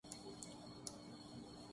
کتنی غیر ملکی جائیدادیں ہیں۔